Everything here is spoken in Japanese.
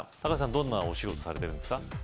どんなお仕事されてるんですか？